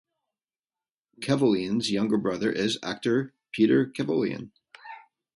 Kevoian's younger brother is actor Peter Kevoian.